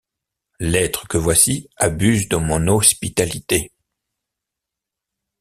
L’être que voici abuse de mon hospitalité.